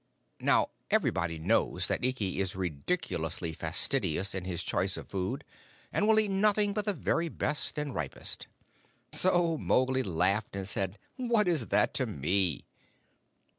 Now everybody knows that Ikki is ridiculously fastidious in his choice of food, and will eat nothing but the very best and ripest. So Mowgli laughed and said, "What is that to me?"